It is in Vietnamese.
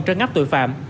trên ngắp tội phạm